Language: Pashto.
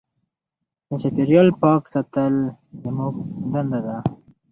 د چاپېریال پاک ساتل زموږ دنده ده.